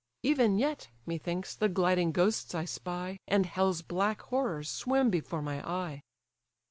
Even yet, methinks, the gliding ghosts I spy, And hell's black horrors swim before my eye."